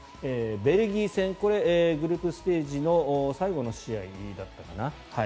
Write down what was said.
ベルギー戦これ、グループステージの最後の試合だったかな？